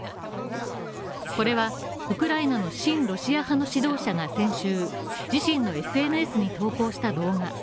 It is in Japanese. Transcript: これはウクライナの親ロシア派の指導者が先週、自身のＳＮＳに投稿した動画。